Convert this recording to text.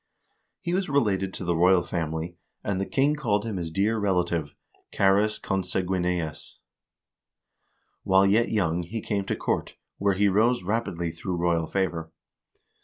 He was related to the royal family, and the king called him his dear relative (earns consanguineus). While yet young he came to court, where he rose rapidly through royal favor.